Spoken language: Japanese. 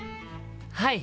はい。